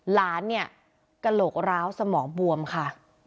หลานเนี่ยกระโหลกร้าวสมองบวมค่ะ